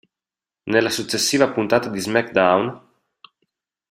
Nella successiva puntata di "SmackDown!